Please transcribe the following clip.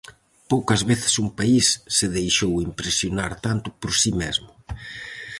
Poucas veces un país se deixou impresionar tanto por si mesmo.